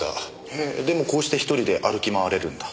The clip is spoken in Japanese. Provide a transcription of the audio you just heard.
へぇでもこうして１人で歩き回れるんだ。